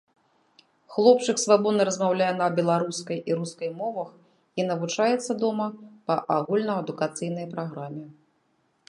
Хлопчык свабодна размаўляе на беларускай і рускай мовах і навучаецца дома па агульнаадукацыйнай праграме.